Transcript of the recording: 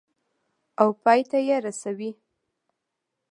او پای ته یې رسوي.